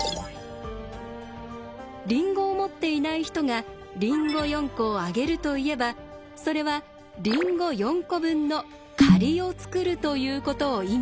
りんごを持っていない人が「りんご４個をあげる」と言えばそれはりんご４個分の借りを作るということを意味します。